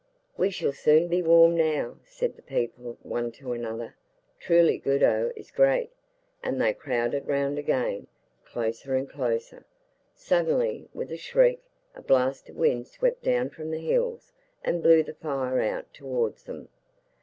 'We shall soon be warm now,' said the people one to another. 'Truly Guddhu is great'; and they crowded round again, closer and closer. Suddenly, with a shriek, a blast of wind swept down from the hills and blew the fire out towards them.